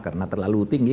karena terlalu tinggi